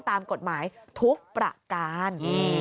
ตามกฎหมายทุกประการ